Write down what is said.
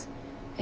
え